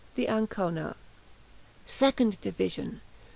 { Ancona. SECOND DIVISION.